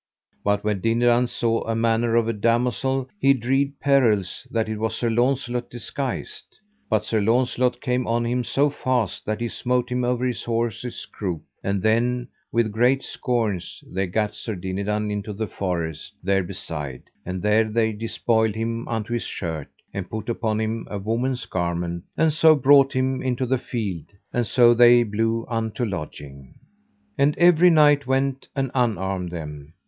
But when Dinadan saw a manner of a damosel he dread perils that it was Sir Launcelot disguised, but Sir Launcelot came on him so fast that he smote him over his horse's croup; and then with great scorns they gat Sir Dinadan into the forest there beside, and there they dispoiled him unto his shirt, and put upon him a woman's garment, and so brought him into the field: and so they blew unto lodging. And every knight went and unarmed them.